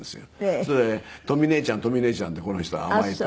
それで「とみ姉ちゃんとみ姉ちゃん」ってこの人甘えて。